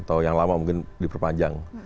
atau yang lama mungkin diperpanjang